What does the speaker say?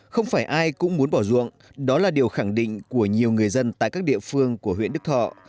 không phải ai cũng muốn bỏ ruộng đó là điều khẳng định của nhiều người dân tại các địa phương của huyện đức thọ